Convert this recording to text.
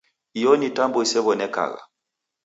Iyo ni tambo isew'onekagha.